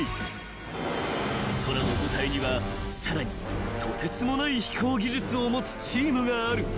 ［空の部隊にはさらにとてつもない飛行技術を持つチームがある］